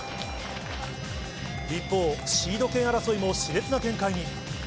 一方、シード権争いもしれつな展開に。